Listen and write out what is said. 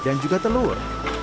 dan juga telur